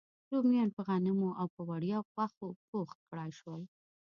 رومیان په غنمو او په وړیا غوښو بوخت کړای شول.